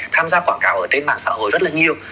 tham gia quảng cáo ở trên mạng xã hội rất là nhiều